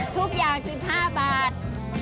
ทุกอย่างคือ๕บาท